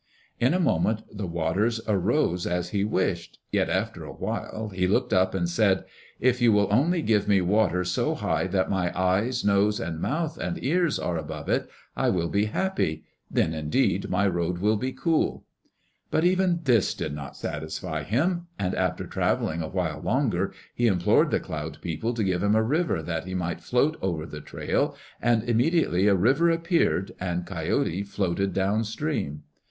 In a moment the waters arose as he wished, yet after a while he looked up and said, "If you will only give me water so high that my eyes, nose, mouth and ears are above it, I will be happy. Then indeed my road will be cool." But even this did not satisfy him, and after travelling a while longer he implored the Cloud People to give him a river that he might float over the trail, and immediately a river appeared and Coyote floated down stream.